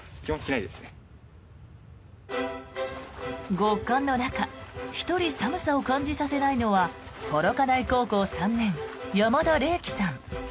極寒の中１人寒さを感じさせないのは幌加内高校３年、山田零綺さん。